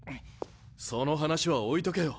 その話は置いとけよ